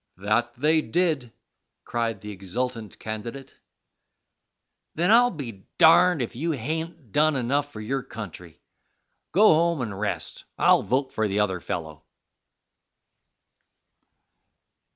"That they did," cried the exultant candidate. "Then I'll be darned if you hain't done enough for your country. Go home and rest. I'll vote for the other fellow."